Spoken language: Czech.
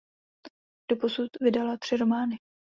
Doposud vydala tři romány.